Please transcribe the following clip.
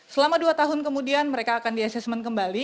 selama dua tahun kemudian mereka akan di assessment kembali